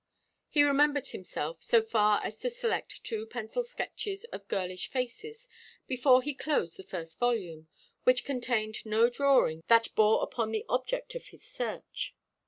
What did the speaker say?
He remembered himself so far as to select two pencil sketches of girlish faces before he closed the first volume, which contained no drawing that bore upon the object of his search.